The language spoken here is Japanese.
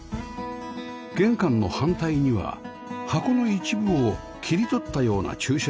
玄関の反対には箱の一部を切り取ったような駐車場があります